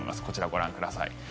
こちら、ご覧ください。